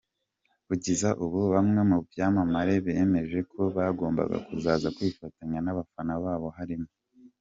Kugeza ubu bamwe mu byamamare bemeje ko bagomba kuzaza kwifatanya n’abafana babo, harimo:.